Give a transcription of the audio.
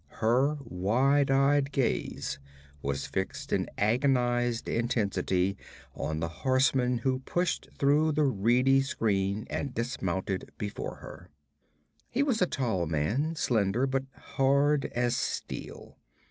Her wide eyed gaze was fixed in agonized intensity on the horseman who pushed through the reedy screen and dismounted before her. He was a tall man, slender, but hard as steel.